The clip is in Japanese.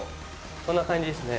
こんな感じですね。